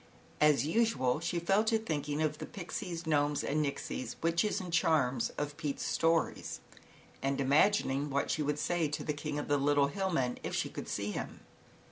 As usual she fell to thinking of the Pixies, Gnomes and Nixies, Witches and Charms, of Pete's stories and imagining what she would say to the King of the Little Hill Men, if she could see him.